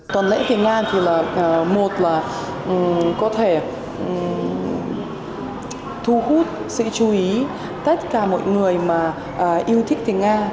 tuần lễ việt nam thì là một là có thể thu hút sự chú ý tất cả mọi người mà yêu thích tiếng nga